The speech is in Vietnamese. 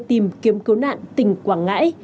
tìm kiếm cứu nạn tỉnh quảng ngãi